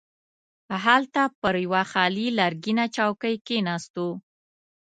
هلته پر یوه خالي لرګینه چوکۍ کښیناستو.